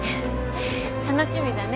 楽しみだね。